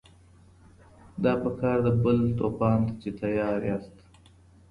دا په کار ده بل توپان ته چي تیار یاست